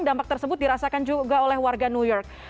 dampak tersebut dirasakan juga oleh warga new york